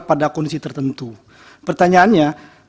pada kondisi tertentu pertanyaannya